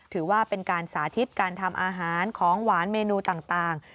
ถือว่าเป็นการสาธิตการทำอาหารของหวานเมนูต่าง